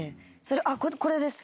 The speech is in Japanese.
あっこれです。